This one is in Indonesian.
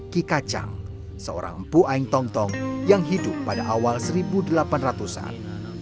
kika chang seorang empu aeng tong tong yang hidup pada awal seribu delapan ratus an